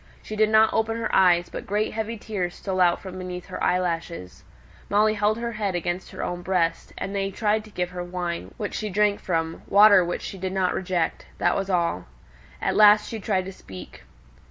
She did not open her eyes, but great heavy tears stole out from beneath her eyelashes. Molly held her head against her own breast; and they tried to give her wine, which she shrank from water, which she did not reject; that was all. At last she tried to speak.